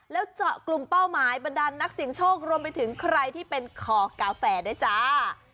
แล้วเจาะกลุ่มเป้าหมายบรรดานนักเสียงโชครวมไปถึงใครที่เป็นคอกาแฟด้วยจ้า